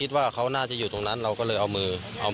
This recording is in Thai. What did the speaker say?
สอดเข้าไปแล้วเขาก็โผล่ขึ้นมา